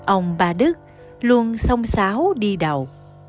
ông ba đức luôn song sáo đi đầu